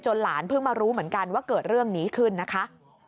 หลานเพิ่งมารู้เหมือนกันว่าเกิดเรื่องนี้ขึ้นนะคะ